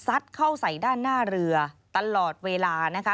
เข้าใส่ด้านหน้าเรือตลอดเวลานะคะ